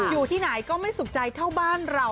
อยู่ที่ไหนก็ไม่สุขใจเท่าบ้านเรา